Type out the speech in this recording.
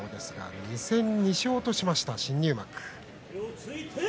２戦２勝としました新入幕。